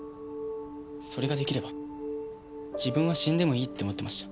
それができれば自分は死んでもいいって思ってました。